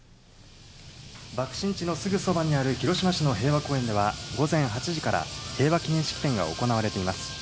爆心地のすぐそばにある広島の平和公園では、午前８時から平和記念式典が行われています。